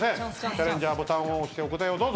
チャレンジャーボタンを押してお答えをどうぞ。